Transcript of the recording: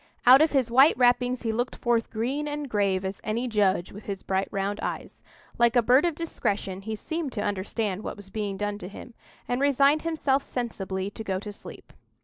Out of his white wrappings he looked forth green and grave as any judge with his bright round eyes. Like a bird of discretion, he seemed to understand what was being done to him, and resigned himself sensibly to go to sleep.